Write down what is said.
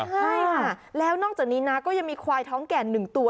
ใช่ค่ะแล้วนอกจากนี้นะก็ยังมีควายท้องแก่๑ตัว